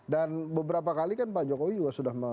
dan beberapa kali kan pak jokowi juga sudah menerima